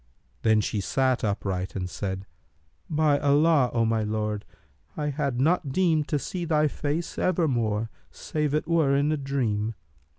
Then she sat upright and said, 'By Allah, O my lord, I had not deemed to see thy face ever more, save it were in a dream!'